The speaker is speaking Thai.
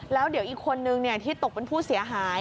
แล้วเดี๋ยวอีกคนนึงที่ตกเป็นผู้เสียหาย